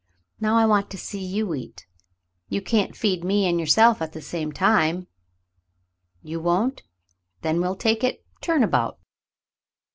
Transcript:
Now I want to see you eat. You can't feed me and yourself at the same time. You won't ? Then we'll take it turn about."